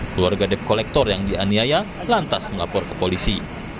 keluarga debt collector yang dianiaya lantas melapor ke polisi